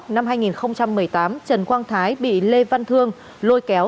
năm hai nghìn một mươi tám trần quang thái bị lê văn thương lôi kéo